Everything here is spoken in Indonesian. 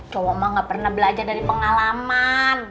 cowok mah nggak pernah belajar dari pengalaman